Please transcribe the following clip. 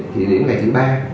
thì đến ngày thứ ba